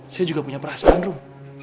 saya juga punya perasaan rum